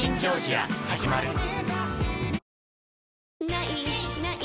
「ない！ない！